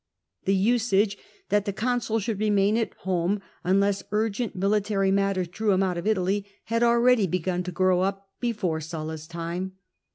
The usage that the consul should remain at home, unless urgent military affairs drew him out of Italy, had already begun to grow up before Sulla's time.